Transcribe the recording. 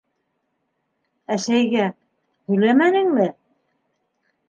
Әсәйгә... һөйләмәнеңме?